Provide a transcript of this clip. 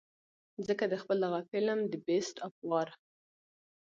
ځکه د خپل دغه فلم The Beast of War